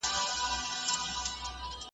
چي نه سوځم نه ایره سوم لا د شپو سینې څیرمه `